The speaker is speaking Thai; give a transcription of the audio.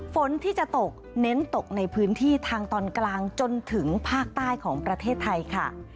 ฝนที่จะตกเน้นตกในพื้นที่ทางตอนกลางจนถึงภาคใต้ของประเทศไทยค่ะ